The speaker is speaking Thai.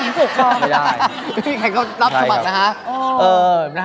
พี่แขกก็รับสมัครนะฮะ